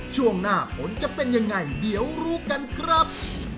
ช่วงหน้าผลจะเป็นยังไงเดี๋ยวรู้กันครับ